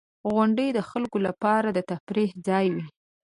• غونډۍ د خلکو لپاره د تفریح ځای وي.